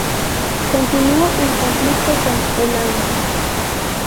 Continuó el conflicto con Elam.